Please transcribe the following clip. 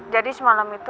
jadi semalam itu